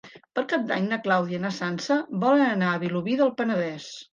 Per Cap d'Any na Clàudia i na Sança volen anar a Vilobí del Penedès.